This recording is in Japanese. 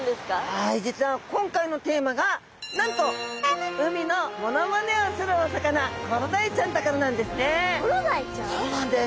はい実は今回のテーマがなんと海のモノマネをするお魚コロダイちゃんだからなんですね。